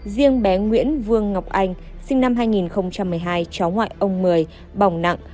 riêng bé nguyễn vương ngọc anh sinh năm hai nghìn một mươi hai cháu ngoại ông mười bỏng nặng